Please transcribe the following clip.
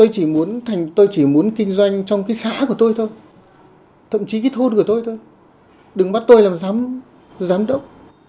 cả của tôi thôi thậm chí cái thôn của tôi thôi đừng bắt tôi làm giám đốc